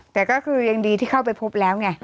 แต่ก็คือยังดีที่เข้าไปพบแล้วไง